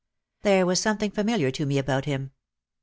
There was something familiar to me about him.